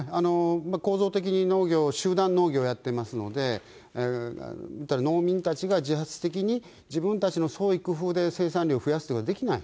構造的に農業、集団農業やってますので、農民たちが自発的に、自分たちの創意工夫で生産量を増やすことができない、